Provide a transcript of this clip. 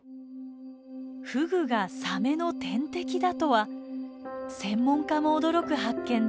フグがサメの天敵だとは専門家も驚く発見です。